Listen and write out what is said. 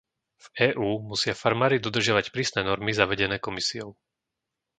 V EÚ musia farmári dodržiavať prísne normy zavedené Komisiou.